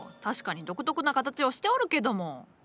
確かに独特な形をしておるけども。